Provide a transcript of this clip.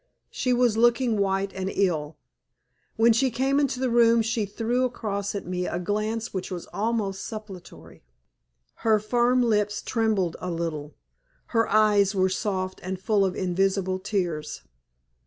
She was looking white and ill. When she came into the room she threw across at me a glance which was almost supplicatory. Her firm lips trembled a little. Her eyes were soft and full of invisible tears.